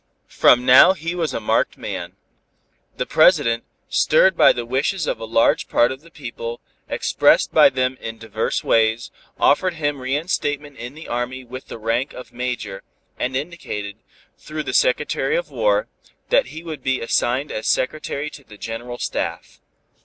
From now he was a marked man. The President, stirred by the wishes of a large part of the people, expressed by them in divers ways, offered him reinstatement in the Army with the rank of Major, and indicated, through the Secretary of War, that he would be assigned as Secretary to the General Staff.